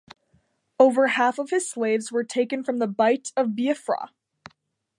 Over half of his slaves were taken from the Bight of Biafra.